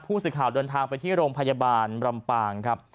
ผู้สื่อข่าวเดินทางไปที่โรงพยาบาลรำปางครับ